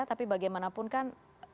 tapi bagaimanapun kan